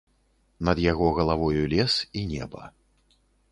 Над яго галавою лес і неба.